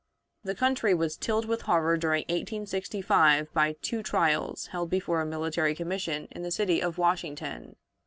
The country was tilled with horror during 1865 by two trials held before a military commission in the city of Washington.